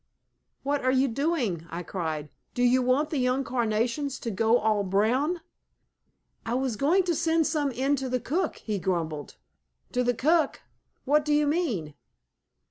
"What are you doing?" I cried. "Do you want the young carnations to go all brown?" "I was going to send some in to the cook," he grumbled. "To the cook! What do you mean?